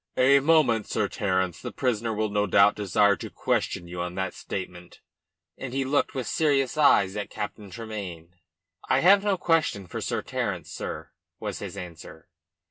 "A moment, Sir Terence. The prisoner will no doubt desire to question you on that statement." And he looked with serious eyes at Captain Tremayne. "I have no questions for Sir Terence, sir," was his answer.